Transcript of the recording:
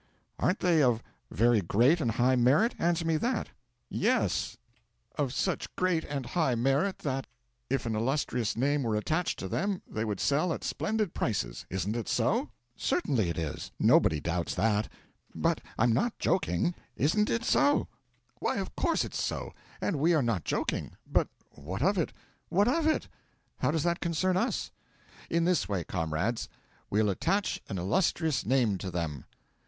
'"Aren't they of very great and high merit? Answer me that." '"Yes." '"Of such great and high merit that, if an illustrious name were attached to them they would sell at splendid prices. Isn't it so?" '"Certainly it is. Nobody doubts that." '"But I'm not joking isn't it so?" '"Why, of course it's so and we are not joking. But what of it. What of it? How does that concern us?" '"In this way, comrades we'll attach an illustrious name to them!"